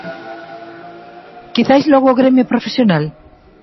Quizais logo o gremio profesional?